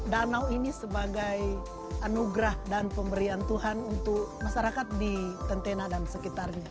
danau ini sebagai anugerah dan pemberian tuhan untuk masyarakat di tentena dan sekitarnya